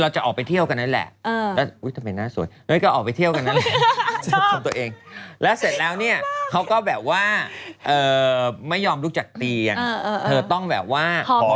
และนางหอมเขาก็แบบว่าทำเป็นแบบว่า